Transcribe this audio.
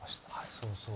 そうそう。